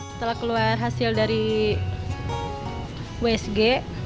setelah keluar hasil dari wsg